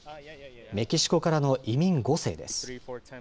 メキシコからの移民５世です。